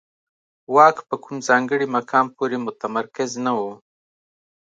واک په کوم ځانګړي مقام پورې متمرکز نه و